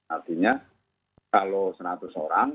artinya kalau seratus orang